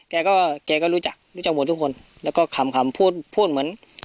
แกก็แกก็รู้จักรู้จักหมดทุกคนแล้วก็คำคำพูดพูดเหมือน